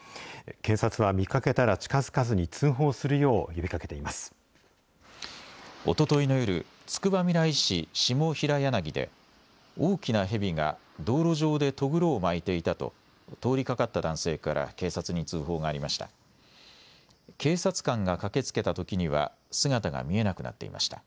警察は見かけたら近づかずに通報おとといの夜、つくばみらい市下平柳で、大きなヘビが道路上でとぐろを巻いていたと、通りかかった男性から警察に通報がありました。